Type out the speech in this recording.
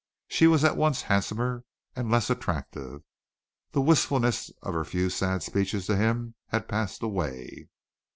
She was at once handsomer and less attractive. The wistfulness of her few sad speeches to him had passed away.